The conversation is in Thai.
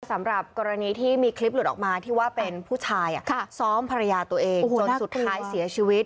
สำหรับกรณีที่มีคลิปหลุดออกมาที่ว่าเป็นผู้ชายซ้อมภรรยาตัวเองจนสุดท้ายเสียชีวิต